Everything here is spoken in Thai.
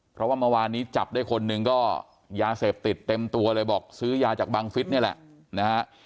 เพราะว่าเมื่อวานนี้จับได้คนหนึ่งก็ยาเสพติดเต็มตัวเลยบอกซื้อยาจากบังฟิศนี่แหละนะฮะ